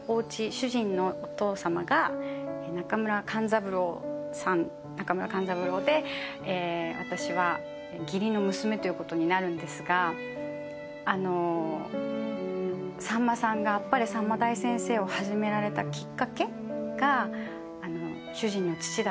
主人のお父さまが中村勘三郎で私は義理の娘ということになるんですがさんまさんが『あっぱれさんま大先生』を始められたきっかけが主人の父だった」